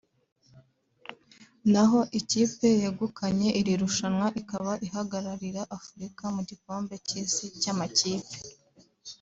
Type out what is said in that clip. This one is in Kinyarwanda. naho ikipe yegukanye iri rushanwa ikaba ihagararira Afurika mu gikombe cy’Isi cy’makipe